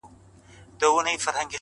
چي ديـدنونه پــــه واوښـتل.